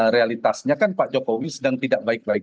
realitasnya kan pak jokowi sedang tidak baik lagi